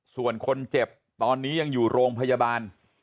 ส่วนคนเจ็บตอนนี้ยังอยู่โรงพยาบาล